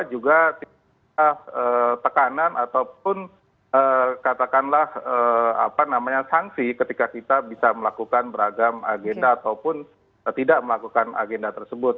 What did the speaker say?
juga tekanan ataupun katakanlah sanksi ketika kita bisa melakukan beragam agenda ataupun tidak melakukan agenda tersebut